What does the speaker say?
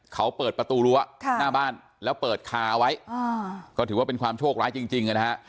เขาเปิดประตูรั้วหน้าบ้านแล้วเปิดคาเอาไว้ก็ถือว่าเป็นความโชคร้ายจริงนะฮะ